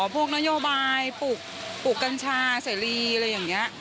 พวกนโยบายปลูกกัญชาเสรีอะไรอย่างนี้